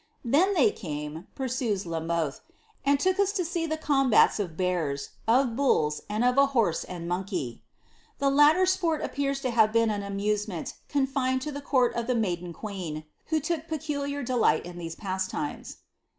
" Then they came," pursues La Mothe, " and took us to see the com bats of bears, of bulls, and of a horse and monkey." The latter sport appears to have been an amusement conhned to the court of the maiden ijueen, who look peculiar delight in these pastimes.